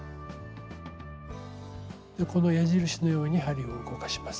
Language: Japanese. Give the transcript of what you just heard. この矢印のように針を動かします。